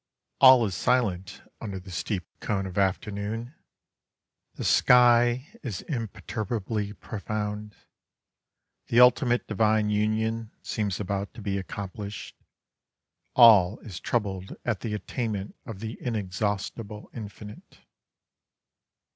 All is silent under the steep cone of afternoon: The sky is imperturbably profound. The ultimate divine union seems about to be accomplished, All is troubled at the attainment Of the inexhaustible infinite.